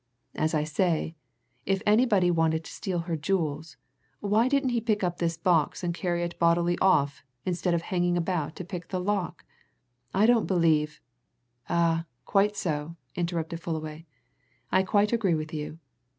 As I say if anybody wanted to steal her jewels, why didn't he pick up this box and carry it bodily off instead of hanging about to pick the lock? I don't believe " "Ah, quite so!" interrupted Fullaway. "I quite agree with you.